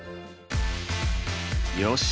よし！